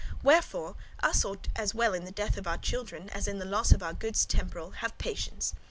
Wherefore us ought as well in the death of our children, as in the loss of our goods temporal, have patience.